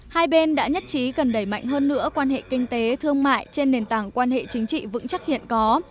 hai bên đã nhất trí cần đẩy mạnh hơn nữa quan hệ kinh tế thương mại trên nền tảng quan hệ chính trị vững chắc hiện có